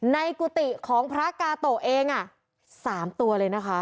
กุฏิของพระกาโตะเอง๓ตัวเลยนะคะ